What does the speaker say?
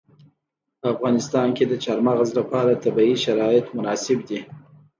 په افغانستان کې د چار مغز لپاره طبیعي شرایط مناسب دي.